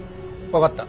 わかった。